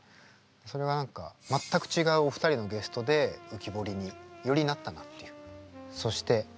それが何か全く違うお二人のゲストで浮き彫りによりなったなっていう。